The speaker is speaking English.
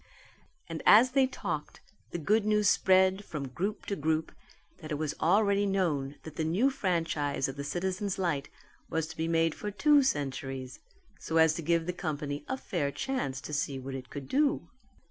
And as they talked, the good news spread from group to group that it was already known that the new franchise of the Citizens' Light was to be made for two centuries so as to give the company a fair chance to see what it could do.